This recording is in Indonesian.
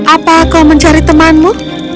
apa kau mencari temanmu